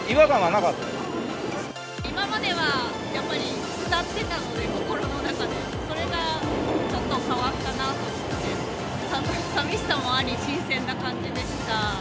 今まではやっぱり歌っていたので、心の中で、それがちょっと変わったなと思って、さみしさもあり、新鮮な感じでした。